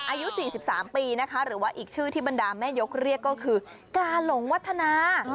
อายุ๔๓ปีนะคะหรือว่าอีกชื่อที่บรรดาแม่ยกเรียกก็คือกาหลงวัฒนา